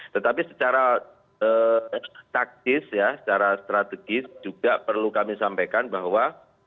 tetapi secara taktis ya secara strategis juga perlu kami sampaikan bahwa